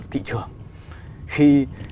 thị trường khi